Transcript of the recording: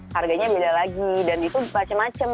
harganya beda lagi dan itu macem macem